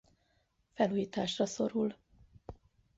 Felújításra szorul.